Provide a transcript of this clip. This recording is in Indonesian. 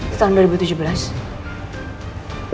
di tahun dua ribu tujuh belas